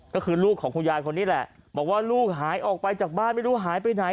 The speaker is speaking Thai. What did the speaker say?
ก็คือลูกของคุณยายคนนี้แหละบอกว่าลูกหายออกไปจากบ้านไม่รู้หายไปไหน